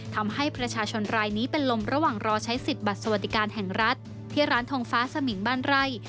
ทำให้ประชาชนรายนี้เป็นลมระหว่างรอใช้สิทธิ์บัตรสวัสดิการแห่งรัฐที่ร้านทองฟ้าสมิงบ้านไร่